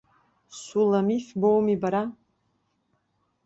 Суламиф боуми бара?